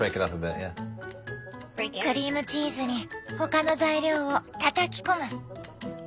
クリームチーズに他の材料をたたき込む！